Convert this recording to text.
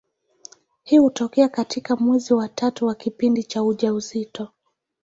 Hii hutokea katika mwezi wa tatu wa kipindi cha ujauzito.